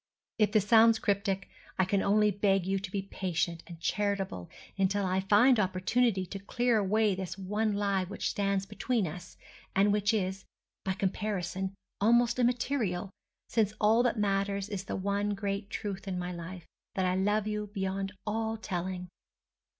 If this sound cryptic, I can only beg you to be patient and charitable until I find opportunity to clear away this one lie which stands between us—and which is, by comparison, almost immaterial, since all that matters is the one great truth in my life, that I love you beyond all telling.